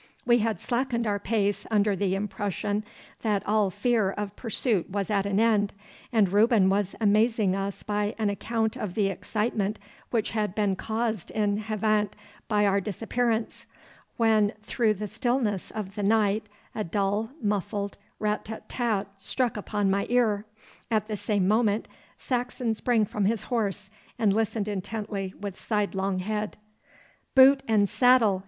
We had slackened our pace under the impression that all fear of pursuit was at an end, and Reuben was amazing us by an account of the excitement which had been caused in Havant by our disappearance, when through the stillness of the night a dull, muffled rat tat tat struck upon my ear. At the same moment Saxon sprang from his horse and listened intently with sidelong head. 'Boot and saddle!